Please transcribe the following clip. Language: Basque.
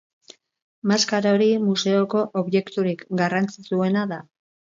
Maskara hori museoko objekturik garrantzitsuena da.